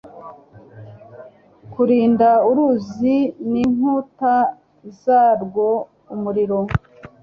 kurinda uruzi n'inkuta zarwo umuriro